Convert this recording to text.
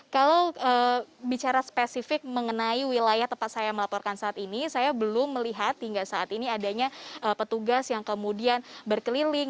kalau bicara spesifik mengenai wilayah tempat saya melaporkan saat ini saya belum melihat hingga saat ini adanya petugas yang kemudian berkeliling